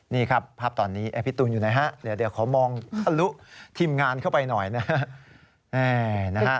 นี่ครับภาพตอนนี้พี่ตูนอยู่ไหนฮะเดี๋ยวขอมองทะลุทีมงานเข้าไปหน่อยนะฮะ